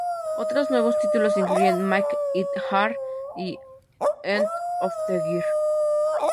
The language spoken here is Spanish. Otros nuevos títulos incluyen ""Make It Hard"" y ""End Of The Girl"".